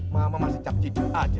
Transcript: ma ma masih capcicuk aja